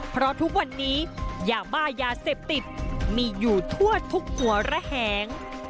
เพราะทุกวันนี้ยาบ้ายาเสพติดมีอยู่ทั่วทุกหัวระแหง